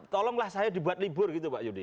tolonglah saya dibuat libur gitu pak yudi